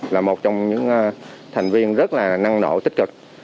là một trong những thành viên rất là năng nổ tích cực